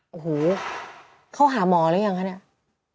โอ้โหเขาหาหมอหรือยังคะเนี่ย